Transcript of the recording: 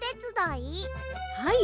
はい。